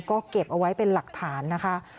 ก็เก็บเอาไว้เป็นหลักฐานนะคะ